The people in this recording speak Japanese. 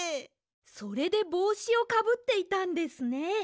それでぼうしをかぶっていたんですね。